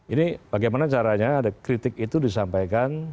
ini bagaimana caranya ada kritik itu disampaikan